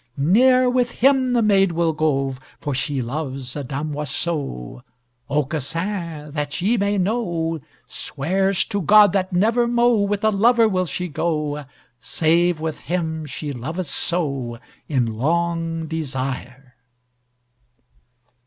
Ne'er with him the maid will go, For she loves a damoiseau, Aucassin, that ye may know, Swears to God that never mo With a lover will she go Save with him she loveth so In long desire."